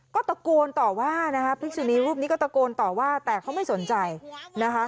ก็ตะโกนต่อว่านะคะพฤกษณีรูปนี้ก็ตะโกนต่อว่าแต่เขาไม่สนใจนะคะ